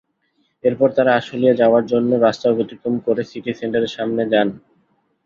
এরপর তাঁরা আশুলিয়া যাওয়ার জন্য রাস্তা অতিক্রম করে সিটি সেন্টারের সামনে যান।